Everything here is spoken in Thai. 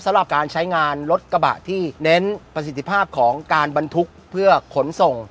สำหรับการใช้งานรถกระบะที่เน้นประสิทธิภาพของการบรรทุกเพื่อขนส่ง